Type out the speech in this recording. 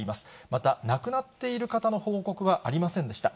また亡くなっている方の報告はありませんでした。